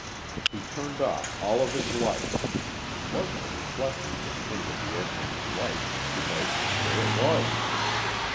He turned off all of his lights it wasn't a reflection from any of the airplane's lights because there it was.